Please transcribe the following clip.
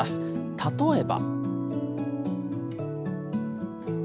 例えば。